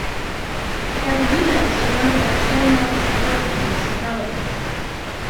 Catarina is surrounded by San Marcos Department municipalities.